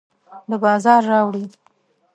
د بازار راوړي